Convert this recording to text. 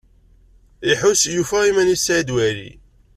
Iḥuss yufa iman-is Saɛid Waɛli.